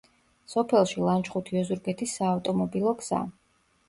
სოფელში ლანჩხუთი-ოზურგეთის საავტომობილო გზა.